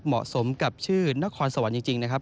เหมาะสมกับชื่อนครสวรรค์จริงนะครับ